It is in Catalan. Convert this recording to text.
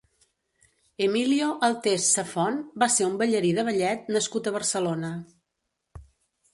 Emilio Altés Safont va ser un ballarí de ballet nascut a Barcelona.